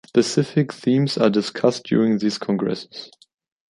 Specific themes are discussed during these congresses.